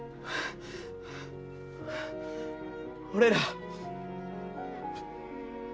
俺ら。